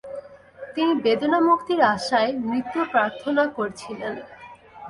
তিনি বেদনামুক্তির আশায় মৃত্যু প্রার্থনা করছিলেন।